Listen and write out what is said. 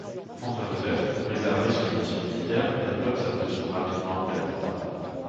François-Joseph, réservé sur une issue militaire, développe sa position rapidement après l'attentat.